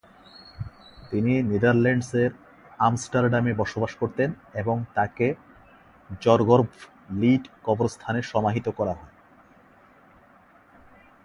তিনি নেদারল্যান্ডসের আমস্টারডামে বসবাস করতেন এবং তাকে জর্গভলিড কবরস্থানে সমাহিত করা হয়।